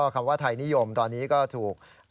คำว่าไทยนิยมตอนนี้ก็ถูก